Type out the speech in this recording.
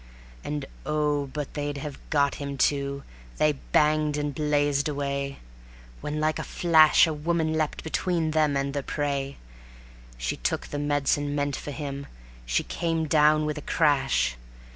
And oh, but they'd have got him too; they banged and blazed away, When like a flash a woman leapt between them and their prey. She took the medicine meant for him; she came down with a crash